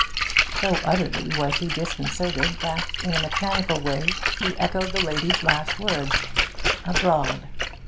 So utterly was he disconcerted, that in a mechanical way he echoed the lady's last word: 'Abroad.'